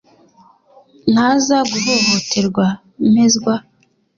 ntaza guhohoterwa mpezwa